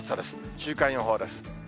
週間予報です。